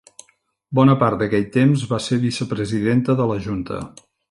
Bona part d'aquell temps va ser vicepresidenta de la junta.